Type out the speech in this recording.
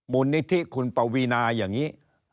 มูลนิธิคุณปวีนาอย่างนี้